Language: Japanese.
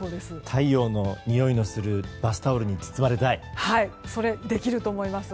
太陽のにおいのするバスタオルにできると思います。